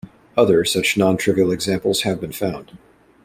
Other such nontrivial examples have been found.